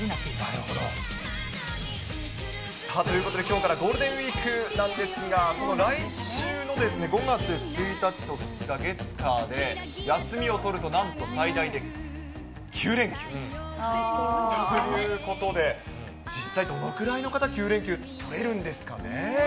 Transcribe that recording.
なるほど。ということで、きょうからゴールデンウィークなんですが、来週の５月１日と２日、月、火で休みを取ると、なんと最大で９連休ということで、実際どのくらいの方、９連休取れるんですかね。